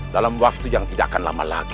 dalam waktu yang tidak akan lama lagi